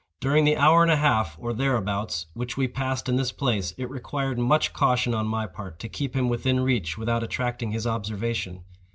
During the hour and a half, or thereabouts, which we passed in this place, it required much caution on my part to keep him within reach without attracting his observation.